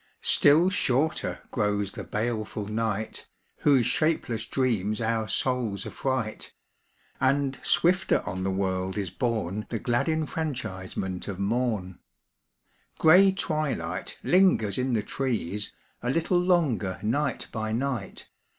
Still shorter grows the baleful night Whose shapeless dreams our souls affright. And swifter on the world is borne The glad enfranchisement of mom ; Grey twilight lingers in the trees A little longer night by night.